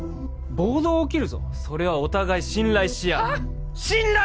暴動起きるぞそれはお互い信頼し合うはっ信頼？